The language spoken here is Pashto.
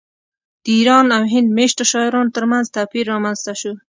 د ایران او هند میشتو شاعرانو ترمنځ توپیر رامنځته شو